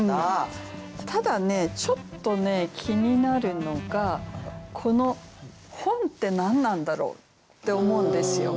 ただねちょっとね気になるのがこの「本」って何なんだろうって思うんですよ。